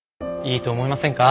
いいと思いませんか？